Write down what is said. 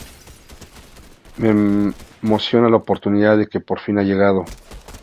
Me emociona la oportunidad de que por fin ha llegado".